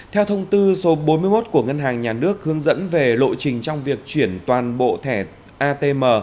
theo thông tư số bốn mươi một của ngân hàng nhà nước hướng dẫn về lộ trình trong việc chuyển toàn bộ thẻ atm